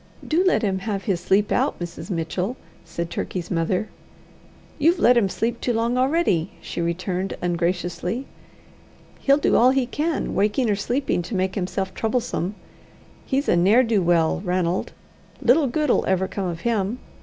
"Do let him have his sleep out, Mrs. Mitchell," said Turkey's mother. "You've let him sleep too long already," she returned, ungraciously. "He'll do all he can, waking or sleeping, to make himself troublesome. He's a ne'er do well, Ranald. Little good'll ever come of him.